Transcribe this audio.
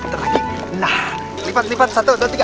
nah lipat satu dua tiga